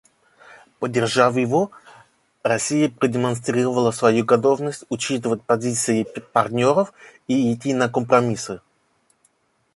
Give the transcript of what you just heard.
Поддержав его, Россия продемонстрировала свою готовность учитывать позиции партнеров и идти на компромиссы.